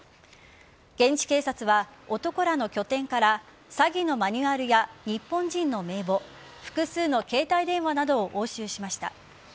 現地警察は男らの拠点から詐欺のマニュアルや日本人の名簿複数の携帯電話などを押収しました。